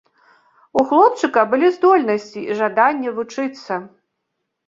У хлопчыка былі здольнасці і жаданне вучыцца.